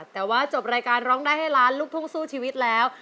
แต่ว่าจบรายการร้องได้ให้ล้านลูกทุ่งสู้ชีวิตแล้ว